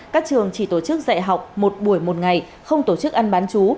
các trường chỉ tổ chức dạy học một buổi một ngày không tổ chức ăn bán chú